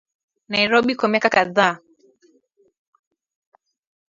Nairobi kwa miaka kadhaa